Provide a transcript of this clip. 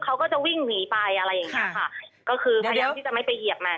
เขาก็จะวิ่งหนีไปอะไรอย่างเงี้ยค่ะก็คือพยายามที่จะไม่ไปเหยียบมัน